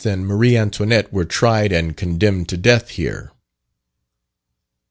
and Marie Antoinette were tried and condemned to death here.